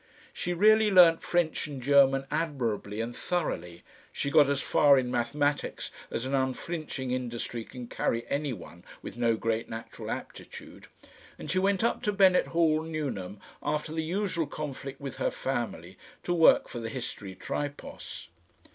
She really learnt French and German admirably and thoroughly, she got as far in mathematics as an unflinching industry can carry any one with no great natural aptitude, and she went up to Bennett Hall, Newnham, after the usual conflict with her family, to work for the History Tripos.